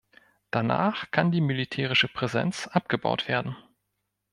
Danach kann die militärische Präsenz abgebaut werden.